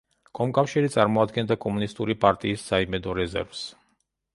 კომკავშირი წარმოადგენდა კომუნისტური პარტიის საიმედო რეზერვს.